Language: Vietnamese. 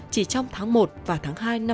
chỉ trong tháng một và tháng hai